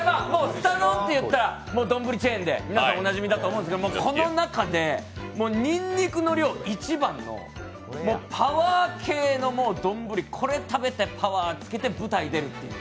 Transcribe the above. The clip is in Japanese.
すた丼といったら丼チェーンで皆さんおなじみだと思うんですけどこの中でにんにくの量一番のパワー系の丼、これ食べてパワーつけて舞台出るという。